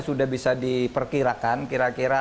sudah bisa diperkirakan kira kira